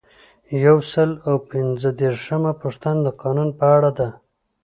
یو سل او پنځه دیرشمه پوښتنه د قانون په اړه ده.